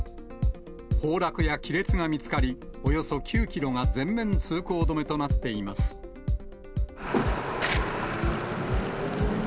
崩落や亀裂が見つかり、およそ９キロが全面通行止めとなっています。